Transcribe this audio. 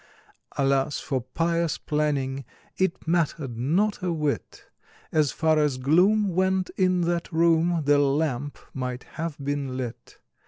Alas for pious planning— It mattered not a whit! As far as gloom went in that room, The lamp might have been lit!